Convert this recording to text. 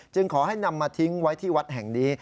ขอให้นำมาทิ้งไว้ที่วัดแห่งนี้